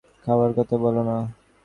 খাওয়ার কথা বলো না।